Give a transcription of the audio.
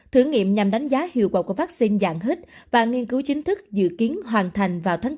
thử nghiệm nhằm đánh giá hiệu quả của vaccine dạng hít và nghiên cứu chính thức dự kiến hoàn thành vào tháng bốn